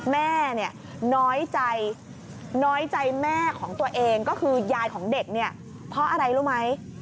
แม่น้อยใจแม่ของตัวเองก็คือยายของเด็กเพราะอะไรรู้ไหม